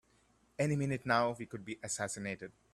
Any minute now we could be assassinated!